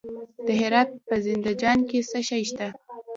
د هرات په زنده جان کې څه شی شته؟